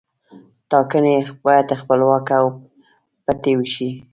ټاکنې باید خپلواکه او پټې وشي.